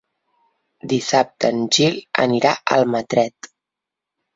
Dissabte en Gil anirà a Almatret.